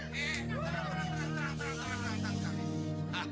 tenang tenang tenang tenang tenang tenang tenang